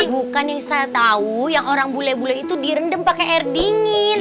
bukan yang saya tahu yang orang bule bule itu direndam pakai air dingin